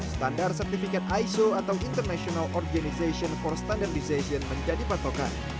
standar sertifikat iso atau international organization for standardization menjadi patokan